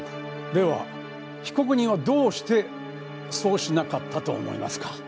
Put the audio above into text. では被告人はどうしてそうしなかったと思いますか？